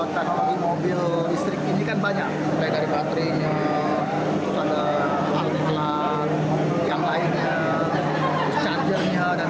tentang mobil listrik ini kan banyak dari baterai kelan yang lainnya charger dan sebagainya